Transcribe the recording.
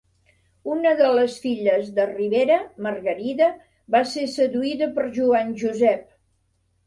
Una de les filles de Ribera, Margarida, va ser seduïda per Joan Josep.